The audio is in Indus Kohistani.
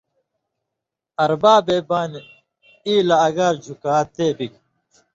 اربابے بانیۡ ای لہ اگار جِھکا تے بِگ